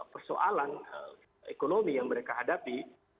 persoalan ekonomi yang mereka hadapi